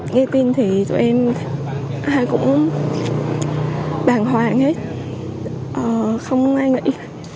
nghe tin thì tụi em ai cũng bàn hoàng hết không ai nghĩ